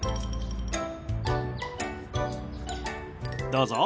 どうぞ。